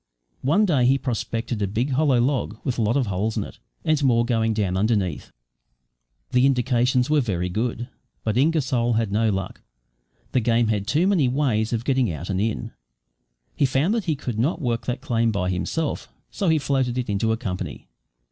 One day he prospected a big hollow log with a lot of holes in it, and more going down underneath. The indications were very good, but Ingersoll had no luck. The game had too many ways of getting out and in. He found that he could not work that claim by himself, so he floated it into a company.